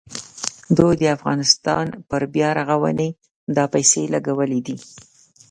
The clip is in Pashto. دوی د افغانستان پر بیارغونه دا پیسې لګولې دي.